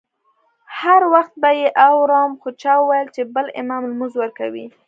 هر وخت به یې اورم خو چا وویل چې بل امام لمونځ ورکوي.